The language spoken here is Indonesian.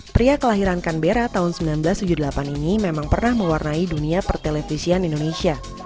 pria kelahiran kanbera tahun seribu sembilan ratus tujuh puluh delapan ini memang pernah mewarnai dunia pertelevisian indonesia